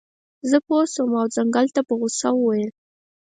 زه پوه شم او ځنګل ته په غوسه وویل.